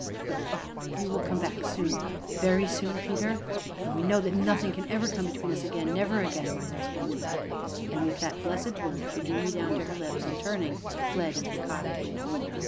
"But oh! you will come back soon very soon, Peter? And we know that nothing can ever come between us again never again my husband." And, with that blessed word, she drew me down to her lips, and, turning, fled into the cottage.